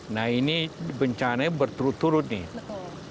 nah ini bencananya berturut turut nih